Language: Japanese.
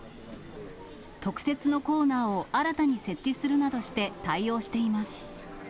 特設のコーナーを新たに設置するなどして対応しています。